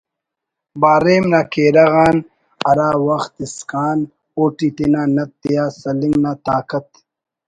باریم نا کیرغ آن ہرا وخت اسکان اوٹی تینا نت تیا سلنگ نا طاقت